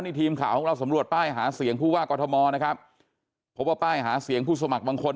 นี่ทีมข่าวของเราสำรวจป้ายหาเสียงผู้ว่ากอทมนะครับพบว่าป้ายหาเสียงผู้สมัครบางคน